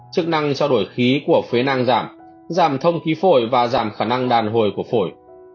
chức năng trao đổi khí của phế năng giảm giảm thông khí phổi và giảm khả năng đàn hồi của phổi